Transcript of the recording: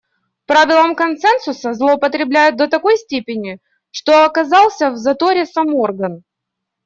Правилом консенсуса злоупотребляют до такой степени, что оказался в заторе сам орган.